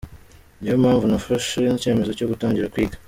Ni yo mpamvu nafashe icyemezo cyo gutangira kwiga.